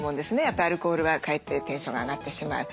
やっぱアルコールはかえってテンションが上がってしまう。